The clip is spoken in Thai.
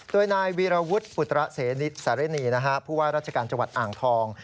โดยนายวีรวุฒิอุตระเสนิทสารณีผู้ว่าราชการจังหวัดอ่างทอง